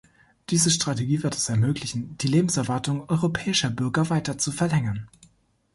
Diese Strategie wird es ermöglichen, die Lebenserwartung europäischer Bürger weiter zu verlängern.